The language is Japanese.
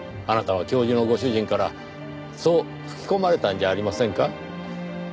あなたは教授のご主人からそう吹き込まれたんじゃありませんか？